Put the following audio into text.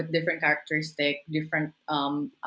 dengan karakteristik yang berbeda